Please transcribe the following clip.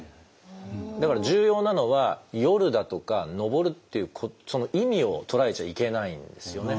だから重要なのは「夜」だとか「登る」っていうその意味を捉えちゃいけないんですよね。